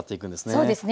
そうですね。